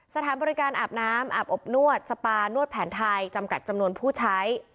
สถานบริการอาบน้ำอาบอบนวดสปานวดแผนไทยจำกัดจำนวนผู้ใช้